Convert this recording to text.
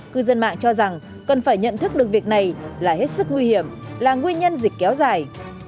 cư dân mạng cho rằng cần phải nhận thức được việc này là hết sức nguy hiểm là nguyên nhân dịch kéo dài